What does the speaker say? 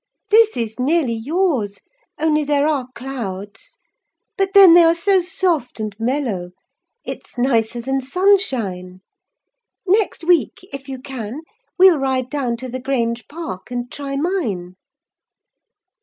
This is nearly yours, only there are clouds; but then they are so soft and mellow: it is nicer than sunshine. Next week, if you can, we'll ride down to the Grange Park, and try mine."